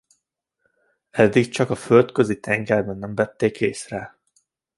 Eddig csak a Földközi-tengerben nem vették észre.